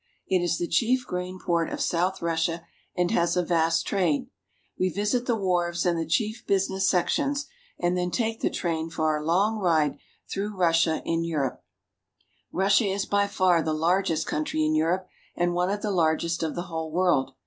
It is the chief grain port of south Rus sia, and has a vast trade. We visit the wharves and the chief business sections, and then take the train for our long ride through Russia in Europe. Palace of Justice, Odessa. Russia is by far the largest country in Europe, and one of the largest of the whole world.